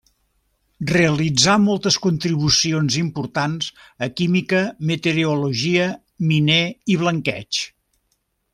Realitzà moltes contribucions importants a química, meteorologia, miner i blanqueig.